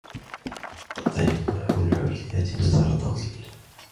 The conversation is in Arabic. الطريق نحو الحرية مزال طويل.